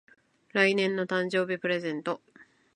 来年の誕生日プレゼント